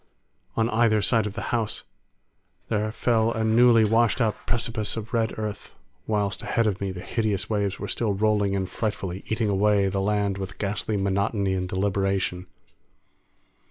On either side of the house there fell a newly washed out precipice of red earth, whilst ahead of me the hideous waves were still rolling in frightfully, eating away the land with ghastly monotony and deliberation.